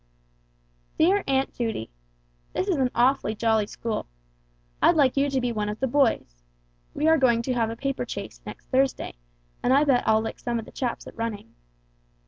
DEAR AUNT JUDY: "This is an awfully jolly school. I'd like you to be one of the boys. We are going to have a paper chase next Thursday, and I bet I'll lick some of the chaps at running.